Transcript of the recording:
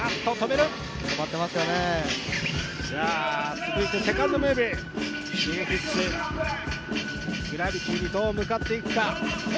続いてセカンドムーブ、ＳｈｉｇｅｋｉｘＧｒａｖｉｔｙにどう向かっていくか。